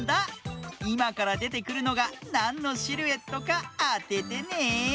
いまからでてくるのがなんのシルエットかあててね。